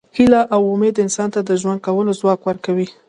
هیله او امید انسان ته د ژوند کولو ځواک ورکوي.